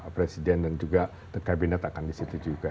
presiden dan juga kabinet akan disitu juga